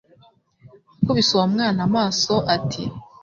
Akubise uwo mwana amaso ati